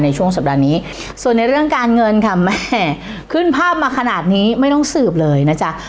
ในช่วงสัปดาห์นี้ส่วนในเรื่องการเงินค่ะแม่ขึ้นภาพมาขนาดนี้ไม่ต้องสืบเลยนะจ๊ะ